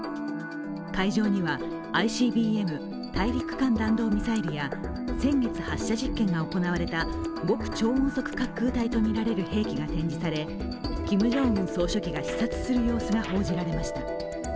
会場にはＩＣＢＭ＝大陸間弾道ミサイルや先月発射実験が行われた極超音速滑空体とみられる兵器が展示されキム・ジョンウン総書記が視察する様子が報じられました。